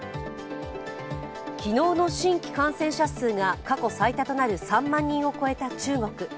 昨日の新規感染者数が過去最多となる３万人を超えた中国。